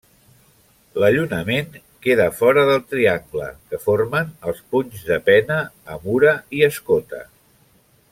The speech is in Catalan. L'allunament queda fora del triangle que formen els punys de pena, amura i escota.